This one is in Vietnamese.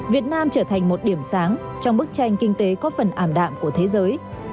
việt nam trở thành một điểm sáng trong bức tranh kinh tế có phần ảm đạm của thế giới